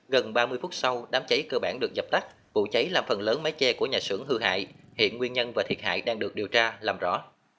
gần ba mươi phút sau đám cháy cơ bản được dập tắt vụ cháy làm phần lớn mái che của nhà xưởng hư hại hiện nguyên nhân và thiệt hại đang được điều tra làm rõ